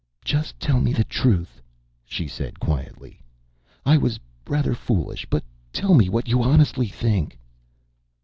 "Just tell me the truth," she said quietly. "I was rather foolish, but tell me what you honestly think."